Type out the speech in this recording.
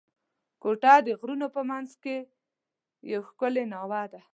کوټه د غرونو په منځ کښي یوه ښکلې ناوه ده.